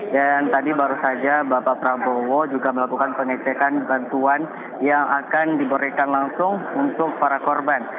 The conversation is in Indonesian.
dan tadi baru saja bapak prabowo juga melakukan pengecekan bantuan yang akan diberikan langsung untuk para korban